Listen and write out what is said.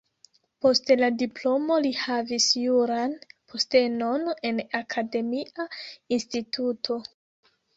Post la diplomo li havis juran postenon en akademia instituto.